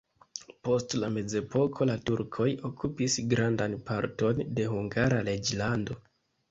Post la mezepoko la turkoj okupis grandan parton de Hungara reĝlando.